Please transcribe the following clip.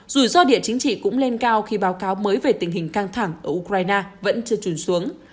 rủi ro địa chính trị cũng lên cao khi báo cáo mới về tình hình căng thẳng ở ukraine vẫn chưa truyền xuống